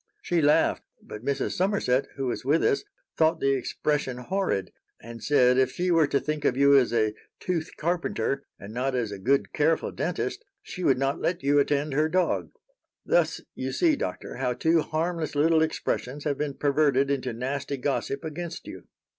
She laughed, but Mrs. Somerset, who was with us, thought the expression horrid, and said if she were to think of you as a 'tooth carpenter' and not as a good, careful dentist, she would not let you attend her dog. Thus, you see, Doctor, how two harmless little expressions have been perverted into nasty gossip against you.